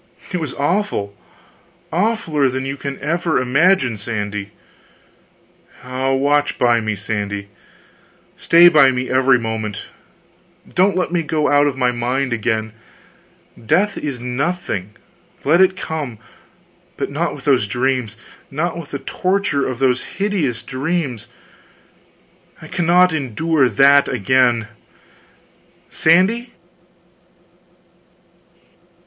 It was awful awfuler than you can ever imagine, Sandy. Ah, watch by me, Sandy stay by me every moment don't let me go out of my mind again; death is nothing, let it come, but not with those dreams, not with the torture of those hideous dreams I cannot endure that again.... Sandy?..."